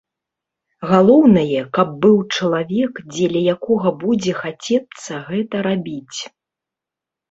Галоўнае, каб быў чалавек, дзеля якога будзе хацецца гэта рабіць.